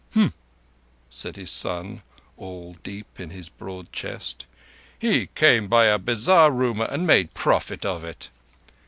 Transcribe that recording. "Hm!" said his son, all deep in his broad chest. "He came by a bazar rumour and made profit of it."